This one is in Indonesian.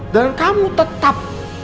dan kamu tetap